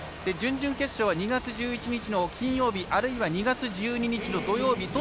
準々決勝は２月１１日の金曜日あるいは２月１２日の土曜日